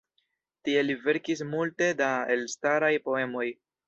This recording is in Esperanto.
Tie li verkis multe da elstaraj poemoj.